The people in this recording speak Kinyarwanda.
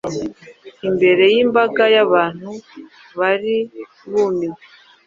imbere y’imbaga y’abantu bari bumiwe.